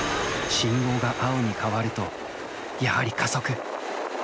信号が青に変わるとやはり加速。